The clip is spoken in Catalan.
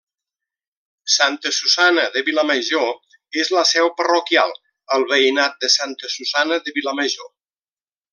Santa Susanna de Vilamajor és la seu parroquial al veïnat de Santa Susanna de Vilamajor.